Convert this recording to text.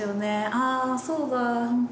ああそうだ本当。